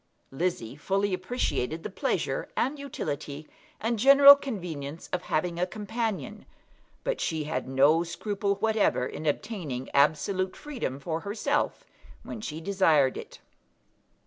Lizzie fully appreciated the pleasure, and utility, and general convenience of having a companion, but she had no scruple whatever in obtaining absolute freedom for herself when she desired it.